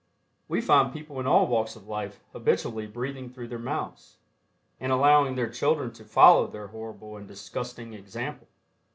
We find people in all walks of life habitually breathing through their mouths, and allowing their children to follow their horrible and disgusting example.